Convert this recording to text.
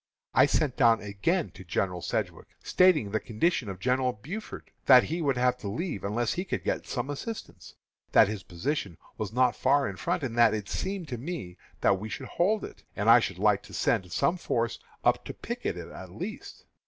I sent down again to General Sedgwick, stating the condition of General Buford, and that he would have to leave unless he could get some assistance; that his position was not far in front, and that it seemed to me that we should hold it, and I should like to send some force up to picket it at least.